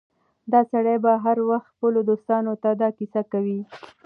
دا سړی به هر وخت خپلو دوستانو ته دا کيسه کوي.